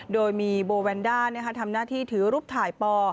โดยมีโบแวนด้าทำหน้าที่ถือรูปถ่ายปอ